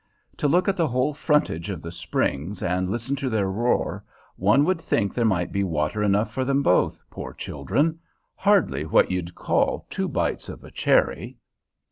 To look at the whole frontage of the springs and listen to their roar, one would think there might be water enough for them both, poor children! Hardly what you'd call two bites of a cherry!